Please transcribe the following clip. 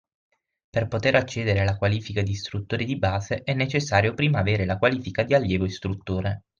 Per poter accedere alla qualifica di Istruttore di base è necessario prima avere la qualifica di Allievo istruttore.